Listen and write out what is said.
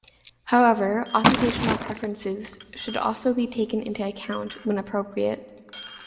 However, occupational preferences should also be taken into account when appropriate.